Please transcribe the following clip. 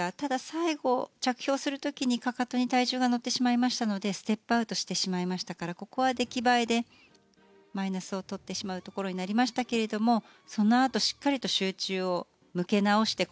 最後着氷する時にかかとに体重が乗ってしまいましたのでステップアウトしてしまいましたからここは出来栄えでマイナスを取ってしまうところになりましたけどそのあとしっかりと集中を向けなおして